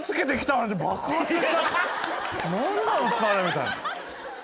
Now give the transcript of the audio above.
みたいな。